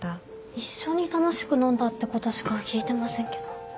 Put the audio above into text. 一緒に楽しく飲んだってことしか聞いてませんけど。